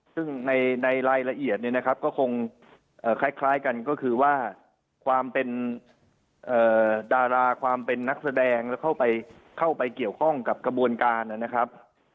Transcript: ซึ่งในรายละเอียดเนี่ยนะครับก็คงคล้ายกันก็คือว่าความเป็นดาราความเป็นนักแสดงแล้วเข้าไปเกี่ยวข้องกับกระบวนการนะครับ